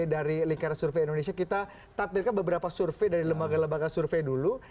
dari lingkaran survei indonesia kita takdirkan beberapa survei dari lembaga lembaga survei dulu